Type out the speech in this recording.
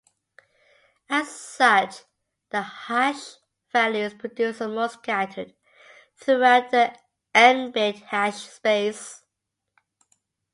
As such, the hash values produced are more scattered throughout the "n"-bit hash space.